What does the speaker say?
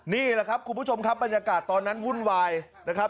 นี่แหละครับคุณผู้ชมครับบรรยากาศตอนนั้นวุ่นวายนะครับ